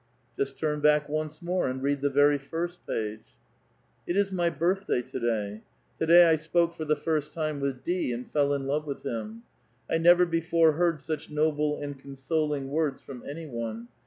''Just turn back once more, and read the vrry first page." " It is my birthday, to day ; to dny 1 si)oke for the first time with D., and fell in love with him. I ni*ver before heard such noble and consoling words from any one.